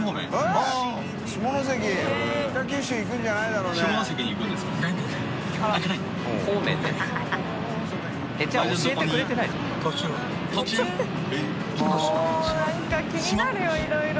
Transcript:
もうなんか気になるよいろいろ。